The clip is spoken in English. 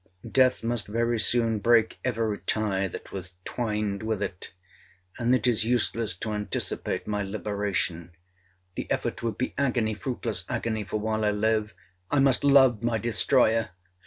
Death must very soon break every tie that was twined with it, and it is useless to anticipate my liberation; the effort would be agony—fruitless agony, for, while I live, I must love my destroyer!